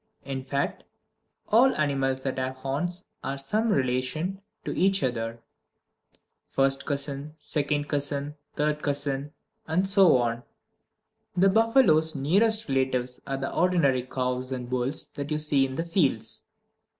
In fact, all animals that have horns are some relation to each other first cousin, second cousin, third cousin, and so on. The buffalo's nearest relatives are the ordinary cows and bulls that you see in the fields.